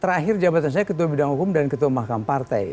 terakhir jabatan saya ketua bidang hukum dan ketua mahkamah partai